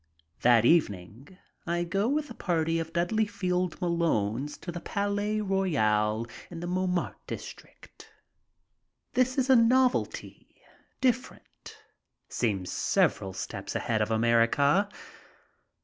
That evening I go with a party of Dudley Field Malone's to the Palais Royale in the Montmartre district. This is a novelty. Different. Seems several steps ahead of America.